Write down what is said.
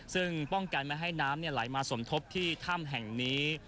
ซึ่งป้องกันไม่ให้น้ำไหลมาสมทบที่ถ้ำแห่งนี้